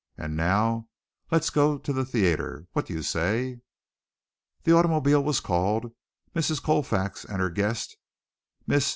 And now let's go to the theatre what do you say?" The automobile was called, Mrs. Colfax and her guest, Miss Genier, appeared.